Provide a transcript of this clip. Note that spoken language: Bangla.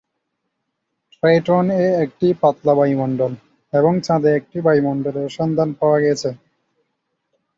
ট্রাইটন এ একটি পাতলা বায়ুমণ্ডল, এবং চাঁদে একটি বায়ুমণ্ডলের সন্ধান পাওয়া গেছে।